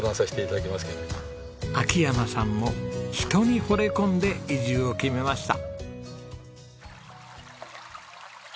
秋山さんも人に惚れ込んで移住を決めました。